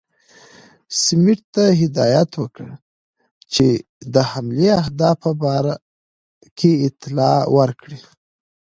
سمیت ته هدایت ورکړ چې د حملې اهدافو په باره کې اطلاع ورکړي.